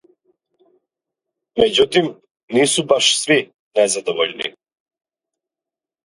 Међутим, нису баш сви незадовољни.